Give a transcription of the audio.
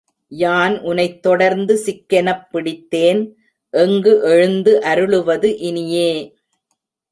யான் உனைத் தொடர்ந்து சிக்கெனப் பிடித்தேன் எங்கு எழுந்து அருளுவது இனியே?